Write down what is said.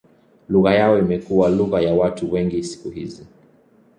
Lugha yao imekuwa lugha ya watu wengi siku hizi.